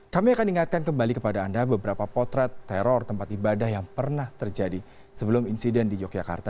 kami akan ingatkan kembali kepada anda beberapa potret teror tempat ibadah yang pernah terjadi sebelum insiden di yogyakarta